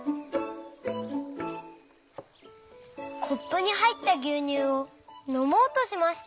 コップにはいったぎゅうにゅうをのもうとしました。